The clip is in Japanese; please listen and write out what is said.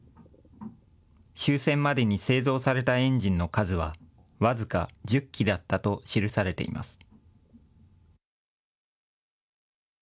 終戦までに製造されたエンジンの数は僅か１０基だったと記されています。